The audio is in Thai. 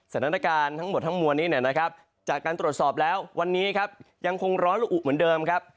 สถานการณ์ทั้งหมดทั้งมวลนี้เนี่ยนะครับจากการตรวจสอบแล้ววันนี้ครับยังคงร้อนละอุเหมือนเดิมครับ